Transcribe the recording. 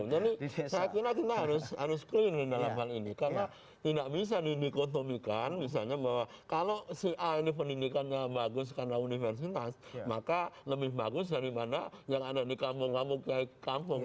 jadi saya kira kita harus clean di dalam hal ini karena tidak bisa di ekonomikan misalnya bahwa kalau si a ini pendidikannya bagus karena universitas maka lebih bagus dari mana yang ada di kampung kampung kk kampung